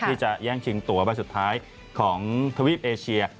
ที่จะแย่งชิงตัวใบสุดท้ายของทวีปเอเชีย